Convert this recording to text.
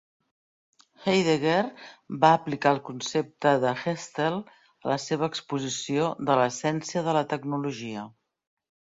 Heidegger va aplicar el concepte de "Gestell" a la seva exposició de l'essència de la tecnologia.